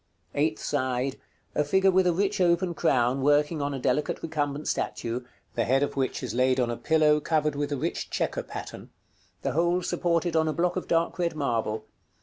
Eighth side. A figure with a rich open crown, working on a delicate recumbent statue, the head of which is laid on a pillow covered with a rich chequer pattern; the whole supported on a block of dark red marble.